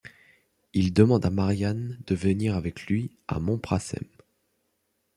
Il demande à Marianne de venir avec lui à Mompracem.